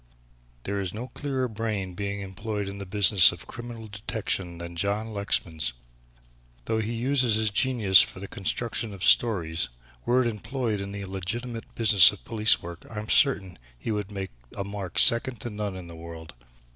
There is no clearer brain being employed in the business of criminal detection than John Lexman's. Though he uses his genius for the construction of stories, were it employed in the legitimate business of police work, I am certain he would make a mark second to none in the world.